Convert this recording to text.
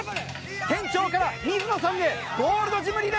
店長から水野さんへゴールドジムリレー今完成！